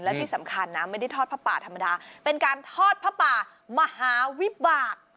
และที่สำคัญนะไม่ได้ทอดผ้าป่าธรรมดาเป็นการทอดผ้าป่ามหาวิบาก